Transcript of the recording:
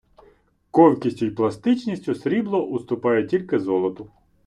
Ковкістю й пластичністю срібло уступає тільки золоту